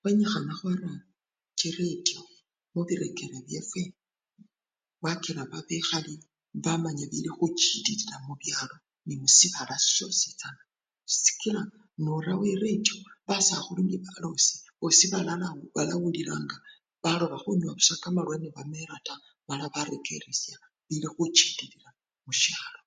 Khwenyikhana khwara chiretyo mubirekere byefwe wakila babekhali bamanya bibilikhuchililila mubyalo nende musibala syosichana kakila norawo eretiyo, basakhulu nebalosi bosi balasa! balawulilanga baloba busa khunywa kamalwa nebamela taa mala barekeresya bili khuchililila musyalo.